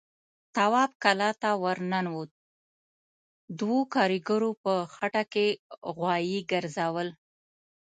تواب کلا ته ور ننوت، دوو کاريګرو په خټه کې غوايي ګرځول.